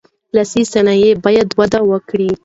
لاسي صنایع باید وده وکړي.